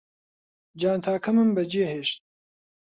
جانتاکەمم بەجێهێشت